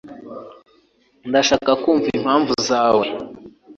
Ndashaka kumva impamvu zawe